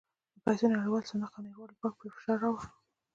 د پیسو نړیوال صندوق او نړیوال بانک پرې فشار راووړ.